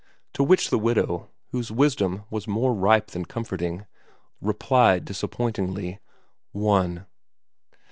' To which the widow, whose wisdom was more ripe than comforting, replied disappointingly :' One.'